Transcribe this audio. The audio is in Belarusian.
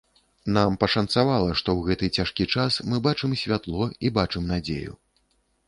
Нам пашанцавала, што ў гэты цяжкі час мы бачым святло і бачым надзею.